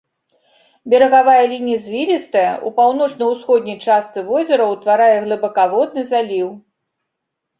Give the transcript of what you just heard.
Берагавая лінія звілістая, у паўночна-ўсходняй частцы возера ўтварае глыбакаводны заліў.